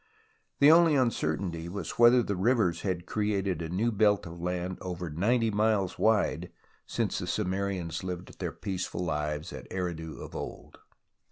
The only uncertainty was whether the rivers had created a new belt of land over 90 miles wide since the Sumerians lived their peaceful lives at Eridu of old.